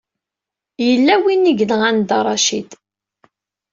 Yella win i yenɣan Dda Racid.